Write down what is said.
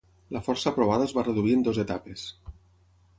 La força aprovada es va reduir en dues etapes.